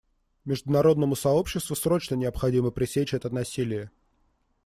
Международному сообществу срочно необходимо пресечь это насилие.